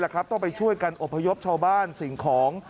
ต้องไปช่วยกันอบพยพชาวบ้านสิ่งของ